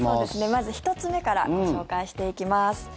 まず１つ目からご紹介していきます。